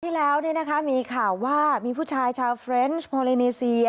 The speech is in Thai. ที่แล้วมีข่าวว่ามีผู้ชายชาวเฟรนซ์ฮอเลเนเซีย